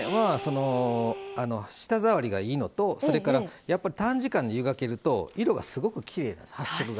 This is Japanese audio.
舌触りがいいのとやっぱり短時間で湯がけると色がすごくきれいです。